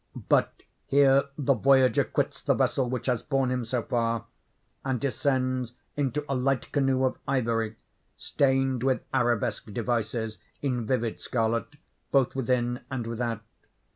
But here the voyager quits the vessel which has borne him so far, and descends into a light canoe of ivory, stained with arabesque devices in vivid scarlet, both within and without.